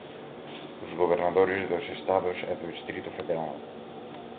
os governadores dos Estados e do Distrito Federal;